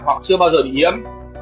hoặc chưa bao giờ bị hiếm